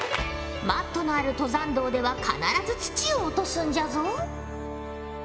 マットのある登山道では必ず土を落とすんじゃぞ。